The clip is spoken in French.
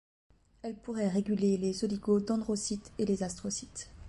Elle pourrait réguler les oligodendrocytes et les astrocytes.